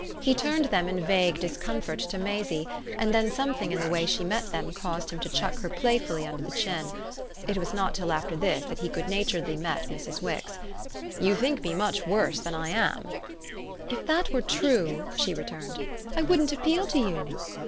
He turned them in vague discomfort to Maisie, and then something in the way she met them caused him to chuck her playfully under the chin. It was not till after this that he good naturedly met Mrs. Wix. "You think me much worse than I am." "If that were true," she returned, "I wouldn't appeal to you.